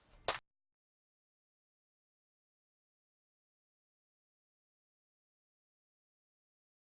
terutama dari penduduk arrived block channel ini